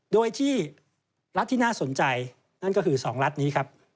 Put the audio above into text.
โดยที่รัฐที่น่าสนใจนั่นก็คือ๒รัฐนี้ครับ